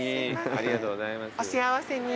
ありがとうございます。